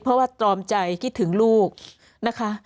เพราะว่าตรอมใจคิดถึงลูกนะคะ